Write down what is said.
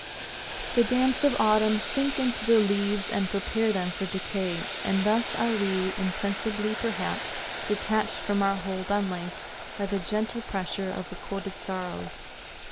The damps of Autumn sink into the leaves and prepare them for decay, and thus are we, insensibly perhaps, detached from our hold on life by the gentle pressure of recorded sorrows.